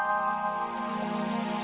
neng ini terma